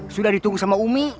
sudah ditunggu sama umi